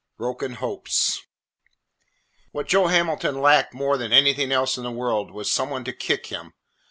XI BROKEN HOPES What Joe Hamilton lacked more than anything else in the world was some one to kick him.